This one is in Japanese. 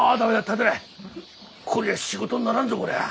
こりゃ仕事にならんぞこりゃ。